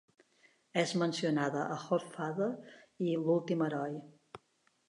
És mencionada a "Hogfather" i "L'últim heroi".